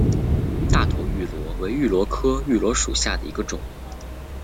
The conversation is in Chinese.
大头芋螺为芋螺科芋螺属下的一个种。